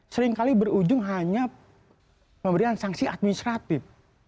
seringkali berujung hanya pemberian sanksi administratif